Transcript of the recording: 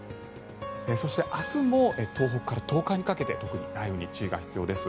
そして、明日も東北から東海にかけて特に雷雨に注意が必要です。